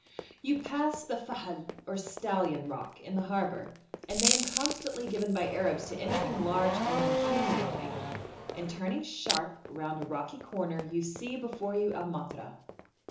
You pass the Fahl, or Stallion Rock, in the harbour, a name constantly given by Arabs to anything large and uncanny looking, and turning sharp round a rocky corner you see before you El Matra.